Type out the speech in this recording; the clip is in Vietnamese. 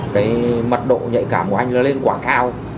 cái mật độ nhạy cảm của anh nó lên quá cao